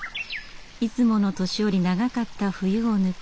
いつもの年より長かった冬を抜け